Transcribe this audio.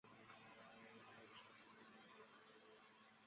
帕雷西斯河畔新坎波是巴西马托格罗索州的一个市镇。